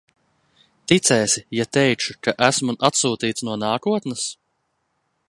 Ticēsi, ja teikšu, ka esmu atsūtīts no nākotnes?